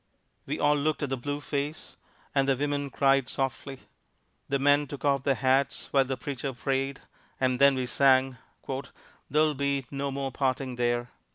We all looked at the blue face, and the women cried softly. The men took off their hats while the preacher prayed, and then we sang, "There'll be no more parting there."